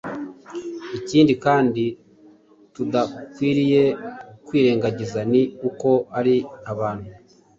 Ikindi kandi tudakwiriye kwirengagiza ni uko ari abantu,